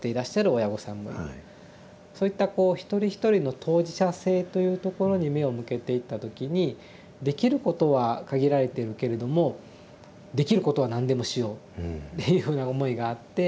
そういったこう一人一人の当事者性というところに目を向けていった時にできることは限られているけれどもできることは何でもしようっていうような思いがあって。